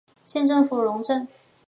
县政府驻塔荣镇。